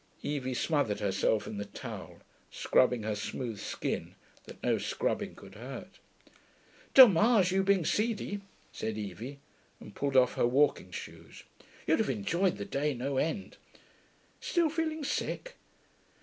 Evie smothered herself in the towel, scrubbing her smooth skin that no scrubbing could hurt. 'Dommage, you being seedy,' said Evie, and pulled off her walking shoes. 'You'd have enjoyed the day no end. Still feeling sick?